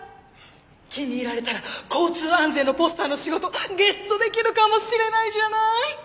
気に入られたら交通安全のポスターの仕事ゲットできるかもしれないじゃない！